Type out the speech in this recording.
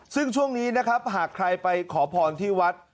ซึ่งช่วงนี้นะครับหากใครไปขอพรที่วัด